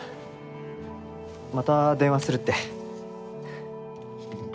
また電話するって。